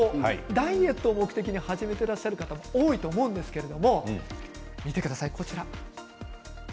ダイエットを目的で始めていらっしゃる方が多いと思うんですけどこちら。